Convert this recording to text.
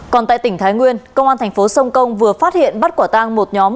còn tại tỉnh thái nguyên công an thành phố sông công vừa phát hiện bắt quả tang một nhóm